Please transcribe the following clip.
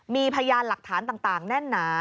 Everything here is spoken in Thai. มีพยานหลักฐานต่างแน่นหนา